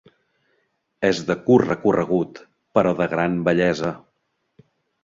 És de curt recorregut, però de gran bellesa.